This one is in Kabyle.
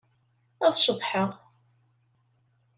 Ad ceḍḥeɣ.